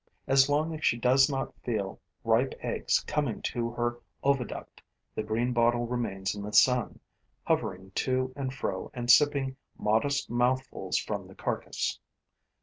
As long as she does not feel ripe eggs coming to her oviduct, the greenbottle remains in the sun, hovering to and fro and sipping modest mouthfuls from the carcass.